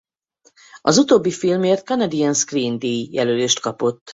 Az utóbbi filmért Canadian Screen-díj jelölést kapott.